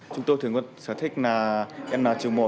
chúng tôi thường thích là n một